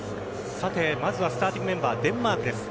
まずはスターティングメンバーデンマークです。